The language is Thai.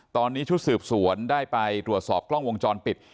ตอนนี้ชุดสืบสวนได้ไปตรวจสอบกล้องวงจรปิด